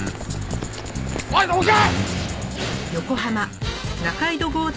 おいどけ！